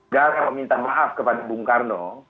gak ada meminta maaf kepada bung karno